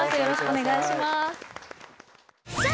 よろしくお願いします。